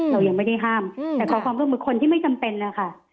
เรายังไม่ได้ห้ามแต่ขอความร่วมมือคนที่ไม่จำเป็นนะคะ